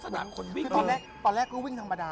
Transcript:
จุดประสงค์ก่อนทำไมต้องเลือกที่ไปทำบุญในถิ่นธุรกาดัน